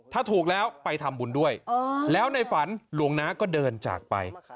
ถ้าถูกแล้วไปทำบุญด้วยแล้วในฝันหลวงน้าก็เดินจากไป